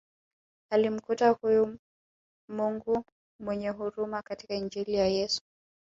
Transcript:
Alimkuta huyo Mungu mwenye huruma katika Injili ya Yesu